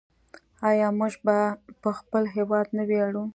آیا موږ په خپل هیواد نه ویاړو؟